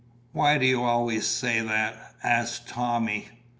"Why do you always say that?" asked Tommy.